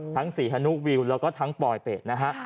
ศรีธนุวิวแล้วก็ทั้งปลอยเป็ดนะฮะ